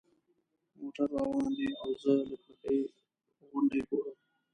موټر روان دی او زه له کړکۍ غونډۍ ګورم.